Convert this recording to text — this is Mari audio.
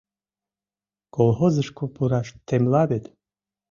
Колхозышко пураш темла вет?